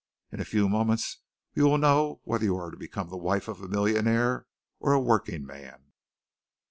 In a few moments you will know whether you are to become the wife of a millionaire or a working man."